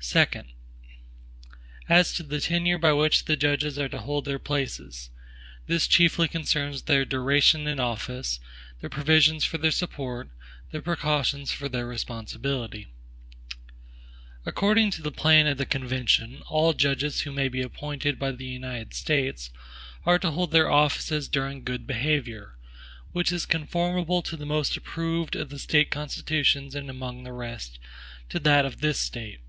Second. As to the tenure by which the judges are to hold their places; this chiefly concerns their duration in office; the provisions for their support; the precautions for their responsibility. According to the plan of the convention, all judges who may be appointed by the United States are to hold their offices during good behavior; which is conformable to the most approved of the State constitutions and among the rest, to that of this State.